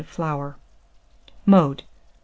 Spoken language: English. of flour. Mode.